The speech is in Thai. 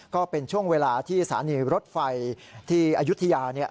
ก็เป็นช่วงเวลาที่สานีรถไฟที่อยุธยา